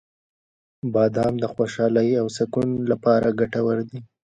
• بادام د خوشحالۍ او سکون لپاره ګټور دي.